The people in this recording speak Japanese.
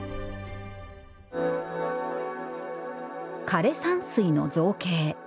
枯山水の造形。